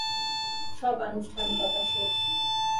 সব আনুষ্ঠানিকতা শেষ।